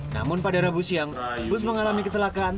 namun pada rabu siang bus mengalami kecelakaan